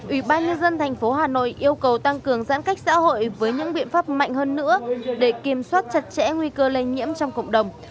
ủy ban nhân dân tp hà nội yêu cầu tăng cường giãn cách xã hội với những biện pháp mạnh hơn nữa để kiểm soát chặt chẽ nguy cơ lây nhiễm trong cộng đồng